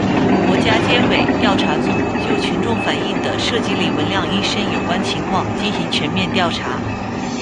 国家监委调查组就群众反映的涉及李文亮医生有关情况进行全面调查